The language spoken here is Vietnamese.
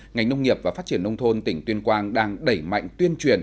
ngành nông nghiệp và phát triển nông thôn tỉnh tuyên quang đang đẩy mạnh tuyên truyền